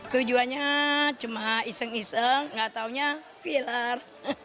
tujuannya cuma iseng iseng nggak tahunya filler